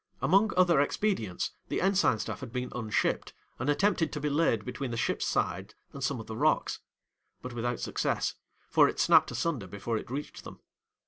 'Among other expedients, the ensign staff had been unshipped, and attempted to be laid between the ship's side and some of the rocks, but without success, for it snapped asunder before it reached them.